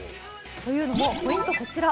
というのも、ポイントこちら。